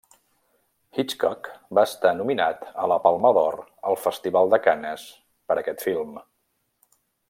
Hitchcock va estar nominat a la Palma d'Or al Festival de Canes per aquest film.